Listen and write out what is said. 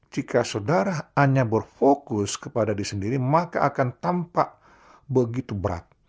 jika saudara hanya berfokus kepada diri sendiri maka akan tampak begitu berat